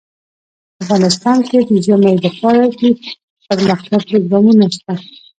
افغانستان کې د ژمی لپاره دپرمختیا پروګرامونه شته.